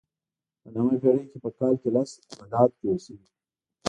په نهمه پېړۍ کې په کال کې لس ابدات جوړ شوي.